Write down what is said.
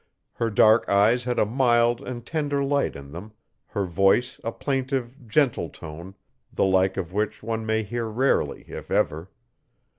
Her dark eyes had a mild and tender light in them; her voice a plaintive, gentle tone, the like of which one may hear rarely if ever.